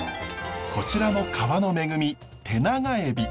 こちらも川の恵みテナガエビ。